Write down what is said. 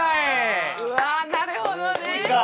うわなるほどね。